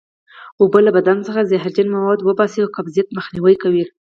اوبه له بدن څخه زهرجن مواد وباسي او قبضیت مخنیوی کوي